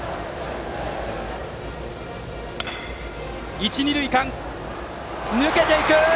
一、二塁間を抜けていく！